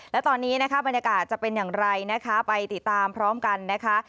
และตอนนี้นะคะบรรยากาศจะเป็นอย่างไรนะคะไปติดตามพร้อมกันนะคะ